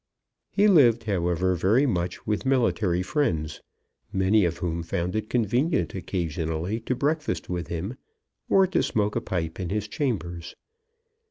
He lived, however, very much with military friends, many of whom found it convenient occasionally to breakfast with him, or to smoke a pipe in his chambers.